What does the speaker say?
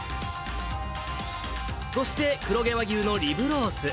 そして黒毛和牛のリブロース。